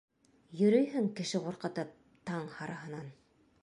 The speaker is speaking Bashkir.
— Йөрөйһөң кеше ҡурҡытып, таң һарыһынан.